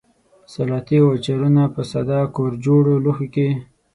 سلاتې او اچارونه په ساده کورجوړو لوښیو کې.